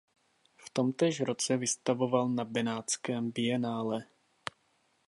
V tomtéž roce vystavoval na Benátském bienále.